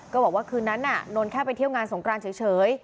บอกว่าคืนนั้นนนแค่ไปเที่ยวงานสงกรานเฉย